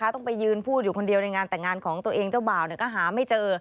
ต้องไปยืนพูดอยู่คนเดียวในงานแต่งงานของตัวเองเจ้าบ่าวก็หาไม่เจอ